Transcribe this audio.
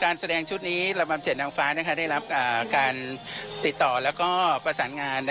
แสดงชุดนี้ระบำเจ็ดนางฟ้าได้รับการติดต่อแล้วก็ประสานงาน